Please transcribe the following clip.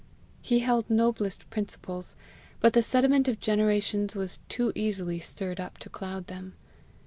He held noblest principles; but the sediment of generations was too easily stirred up to cloud them.